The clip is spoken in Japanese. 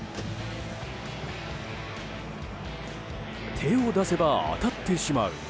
手を出せば当たってしまう。